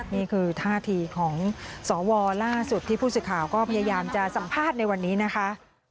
นี่คือท่าทีของสวล่าสุดที่ผู้สื่อข่าวก็พยายามจะสัมภาษณ์ในวันนี้นะคะ